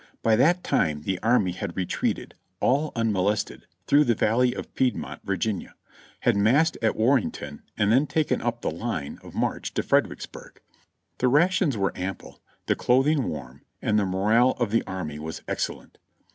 By that time the army h.ad retreated, all unmolested, through the valley of Piedmont, Virginia; had massed at Warrenton and then taken up the line of march to Fredericksburg. The rations were ample, the cloth ing warm and the morale of the army was excellent.